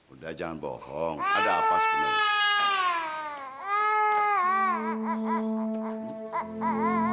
udah jangan bohong ada apa sebenarnya